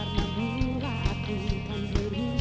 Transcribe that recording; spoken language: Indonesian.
semua ikut berdiam diri